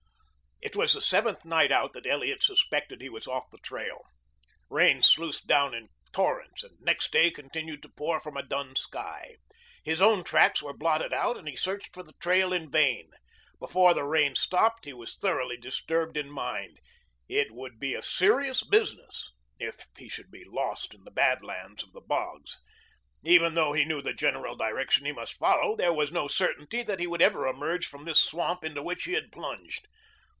It was the seventh night out that Elliot suspected he was off the trail. Rain sluiced down in torrents and next day continued to pour from a dun sky. His own tracks were blotted out and he searched for the trail in vain. Before the rain stopped, he was thoroughly disturbed in mind. It would be a serious business if he should be lost in the bad lands of the bogs. Even though he knew the general direction he must follow, there was no certainty that he would ever emerge from this swamp into which he had plunged.